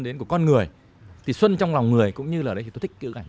vâng cảm ơn giám khảo việt văn